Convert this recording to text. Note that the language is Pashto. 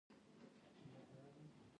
د اغیزمن ټیم جوړول،